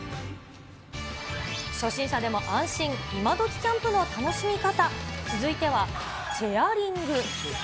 初心者でも安心、イマドキキャンプの楽しみ方、続いては、チェアリング。